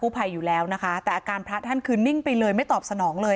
ภัยอยู่แล้วนะคะแต่อาการพระท่านคือนิ่งไปเลยไม่ตอบสนองเลย